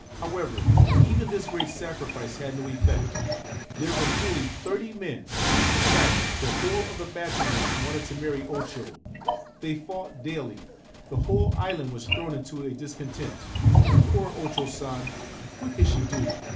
However, even this great sacrifice had no effect. There were fully thirty men ; in fact, the whole of the bachelors wanted to marry O Cho ; they fought daily ; the whole island was thrown into a discontent. Poor O Cho San ! What could she do